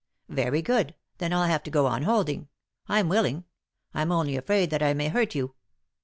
" Very good, then I'll have to go on holding ; I'm willing. I'm only afraid that I may hurt you."